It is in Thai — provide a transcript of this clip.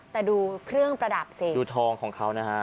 แต่ดูเครื่องประดับสิดูทองของเขานะฮะ